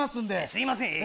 すいません。